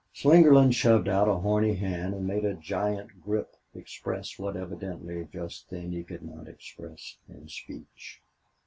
Slingerland shoved out a horny hand and made a giant grip express what evidently just then he could not express in speech.